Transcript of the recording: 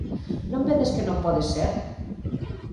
Non vedes que non pode ser?